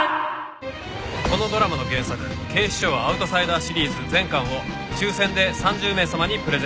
このドラマの原作『警視庁アウトサイダー』シリーズ全巻を抽選で３０名様にプレゼントします